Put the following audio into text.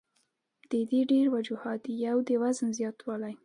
د دې ډېر وجوهات دي يو د وزن زياتوالے ،